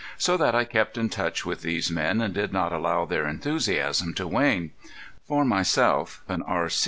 So that I kept in touch with these men and did not allow their enthusiasm to wane. For myself and R.